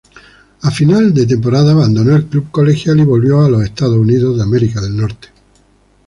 A final de temporada abandonó el club colegial y volvió a Estados Unidos.